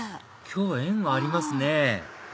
今日縁がありますね